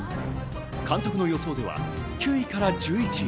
監督の予想では９位から１１位。